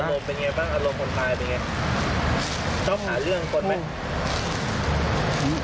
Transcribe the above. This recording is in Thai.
โมเป็นไงบ้างอารมณ์คนตายเป็นไงต้องหาเรื่องคนไหม